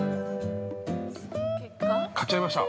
買っちゃいました。